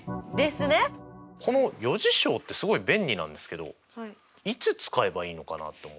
この余事象ってすごい便利なんですけどいつ使えばいいのかなと思ってて。